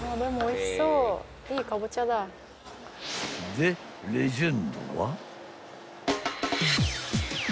［でレジェンドは］